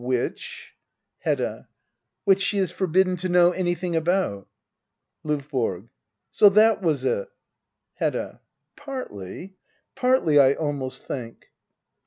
Which } Hedda. ^which she is forbidden to know anything about? LdVBORO. So that was it? Hedda. Partly. Partly — I almost think.